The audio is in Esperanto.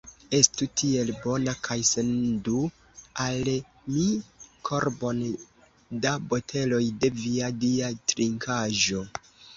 Estu tiel bona kaj sendu al mi korbon da boteloj de via dia trinkaĵo.